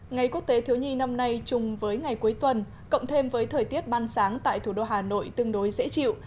ngày quốc tế thiếu nhi năm nay chung với ngày cuối tuần cộng thêm với thời tiết ban sáng tại thủ đô hà nội tương đối dễ chịu